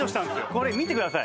これ見てください